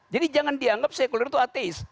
jadi jangan dianggap sekuler itu ateis